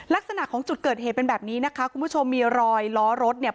ลักษณะของจุดเกิดเหตุเป็นแบบนี้นะคะคุณผู้ชมมีรอยล้อรถเนี่ย